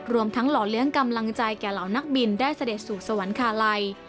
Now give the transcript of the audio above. รวมทั้งหล่อเลี้ยงกำลังใจแก่เหล่านักบินได้เสด็จสู่สวรรคาลัย